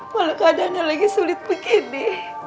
walaikadanya lagi sulit begini